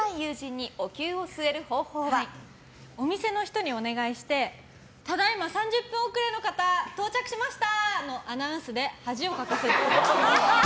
お店の人にお願いしてただいま３０分遅れの方到着しましたのアナウンスで恥をかかせる。